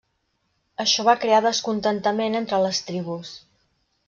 Això va crear descontentament entre les tribus.